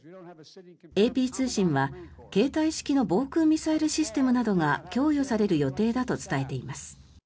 ＡＰ通信は、携帯式の防空ミサイルシステムなどが供与される予定だと伝えています。